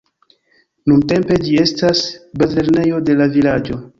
Nuntempe ĝi estas bazlernejo de la vilaĝo.